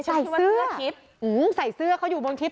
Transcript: ใส่เสื้อเขาอยู่บนพิษ